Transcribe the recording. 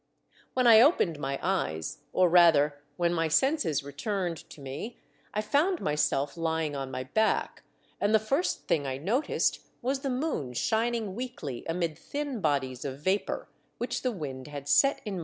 When I opened m.y eyes, or rather when my senses returned to me, I found myself lying on my back, and the first thing I noticed was the moon shining weakly amid thin bodies of vapour which the wind had set in G 82 THE DEATH SHIP.